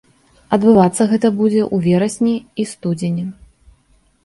Адбывацца гэта будзе ў верасні і студзені.